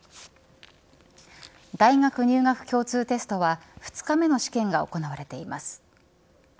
大学入学共通テストは２日目の試験が行われています。